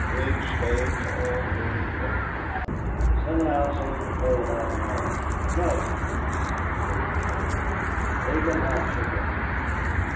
Big stakes always work them up." "Send them out so we can play without annoyance." "No," replied Durade, sharply. "They can watch the game."